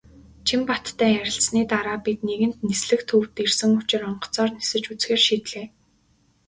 Чинбаттай ярилцсаны дараа бид нэгэнт "Нислэг" төвд ирсэн учир онгоцоор нисэж үзэхээр шийдлээ.